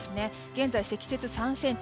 現在、積雪３ｃｍ。